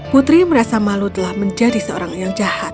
putri merasa malu telah menjadi seorang yang jahat